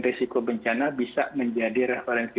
risiko bencana bisa menjadi referensi